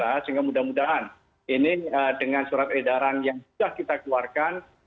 sehingga mudah mudahan ini dengan surat edaran yang sudah kita keluarkan